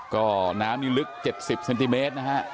ก็น้ำนี่ลึก๗๐เซนติเมตรนะฮะ